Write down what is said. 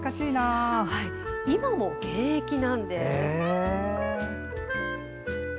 今も現役なんです。